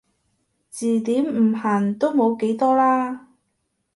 字典唔限都冇幾多啦